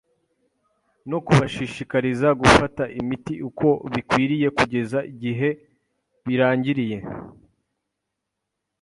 no kubashishikariza gufata imiti uko bikwiriye kugeza igihe irangiriye